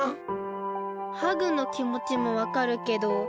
ハグのきもちもわかるけど。